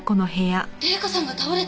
麗香さんが倒れた！？